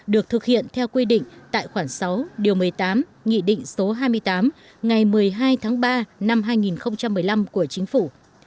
được thực hiện theo quy định tại khoảng sáu điều một mươi tám nghị định số hai mươi tám ngày một mươi hai tháng ba năm hai nghìn một mươi năm của chính phủ